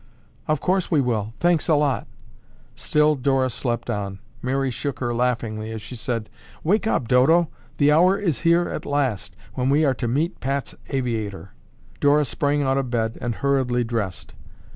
"Of course we will. Thanks a lot." Still Dora slept on. Mary shook her laughingly as she said, "Wake up, Dodo! The hour is here at last when we are to meet Pat's aviator." Dora sprang out of bed and hurriedly dressed.